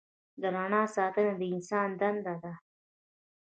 د رڼا ساتنه د انسان دنده ده.